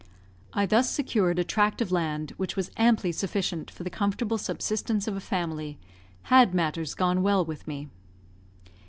I thus secured a tract of land which was amply sufficient for the comfortable subsistence of a family, had matters gone well with me.